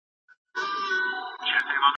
هغه استاد چي لارښوونه کوي باید عالم وي.